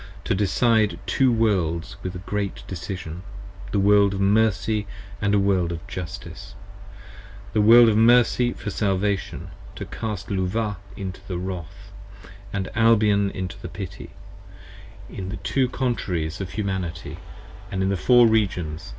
65 TO decide Two Worlds with a great decision: a World of Mercy, and A World of Justice; the World of Mercy for Salvation, To cast Luvah into the Wrath, and Albion into the Pity, In the Two Contraries of Humanity & in the Four Regions.